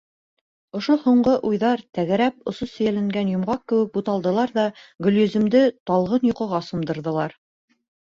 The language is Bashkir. Ошо һуңғы уйҙар тәгәрәп осо сейәлгән йомғаҡ кеүек буталдылар ҙа Гөлйөзөмдө талғын йоҡоға сумдырҙылар.